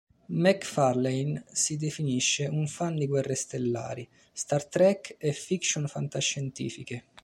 MacFarlane si definisce un fan di "Guerre stellari", "Star Trek" e fiction fantascientifiche.